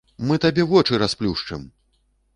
Мы табе вочы расплюшчым!